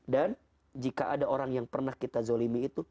dan jika ada orang yang pernah kita zolimi itu